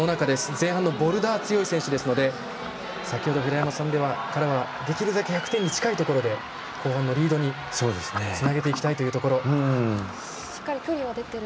後半のリードに強い選手ですので先ほど平山さんからはできるだけ１００点に近いところで後半のリードにつなげていきたいところ。